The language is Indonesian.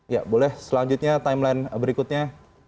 ya boleh selanjutnya timeline berikutnya